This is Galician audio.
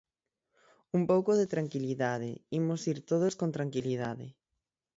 Un pouco de tranquilidade, imos ir todos con tranquilidade.